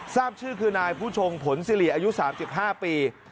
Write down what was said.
ทราบชื่อคือนายผู้ชงผลสิริอายุ๓๕ปี